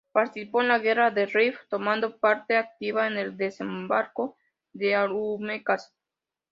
Participó en la Guerra del Rif, tomando parte activa en el desembarco de Alhucemas.